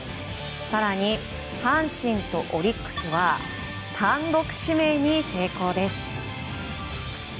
更に、阪神とオリックスは単独指名に成功しています。